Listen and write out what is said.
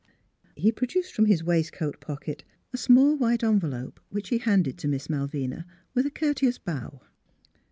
He produced from his waistcoat pocket a small white envelope which he handed to Miss Mal vina, with a courteous bow.